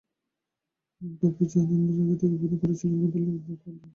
Poppy জানান, এর আগে তিনি অভিনয় করেছিলেন গোধূলির দেখা আলো নাটকে।